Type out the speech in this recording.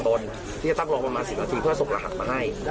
ที่คิดจะตั้งหลองประมาณ๑๐นาทีเพื่อสมตำรัพย์มาให้